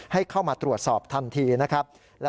ให้เข้ามาตรวจสอบทันทีนะครับ